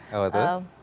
oh apa tuh